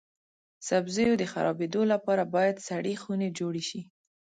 سبزیو د خرابیدو لپاره باید سړې خونې جوړې شي.